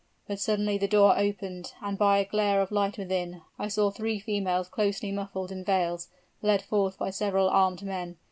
But suddenly the door opened, and by a glare of light within, I saw three females closely muffled in veils, led forth by several armed men.